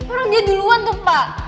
orangnya duluan tuh pak